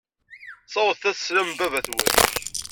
Ssiwḍet-as sslam n baba-twen.